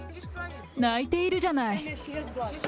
泣いているじゃない。